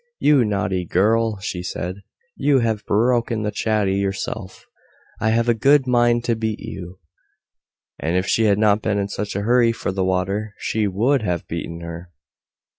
"You naughty girl," she said, "you have broken the chatty yourself, I have a good mind to beat you." And if she had not been in such a hurry for the water she WOULD have beaten her.